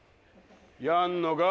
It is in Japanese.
やんのか？